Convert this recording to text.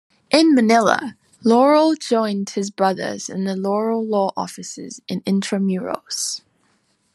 In Manila, Laurel joined his brothers in the Laurel Law Offices in Intramuros.